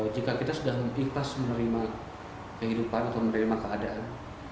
jika kita sudah ikhlas menerima kehidupan atau menerima keadaan